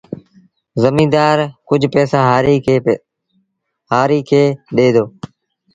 زميݩدآر ڪجھ پئيٚسآ هآريٚ کي ڏي دو